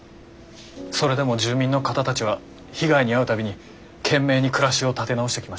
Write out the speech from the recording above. それでも住民の方たちは被害に遭う度に懸命に暮らしを立て直してきました。